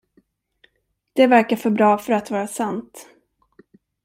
Det verkar för bra för att vara sant.